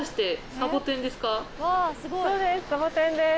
サボテンです。